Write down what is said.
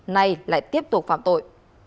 nay lại tiếp tục phạm tội